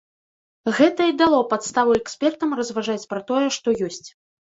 Гэта і дало падставу экспертам разважаць пра тое, што ёсць.